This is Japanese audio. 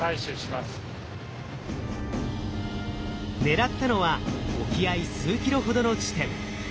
狙ったのは沖合数キロほどの地点。